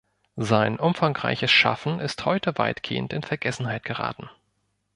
Sein umfangreiches Schaffen ist heute weitgehend in Vergessenheit geraten.